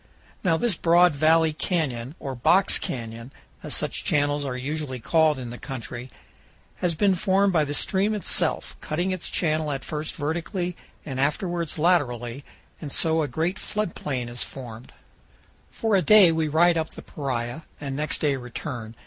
Now this broad valley canyon, or "box canyon," as such channels are usually called in the country, has been formed by the stream itself, cutting its channel at first vertically and afterwards laterally, and so a great flood plain is formed. For a day we ride up the Paria, and next day return.